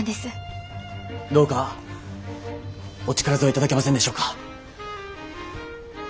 どうかお力添えいただけませんでしょうか。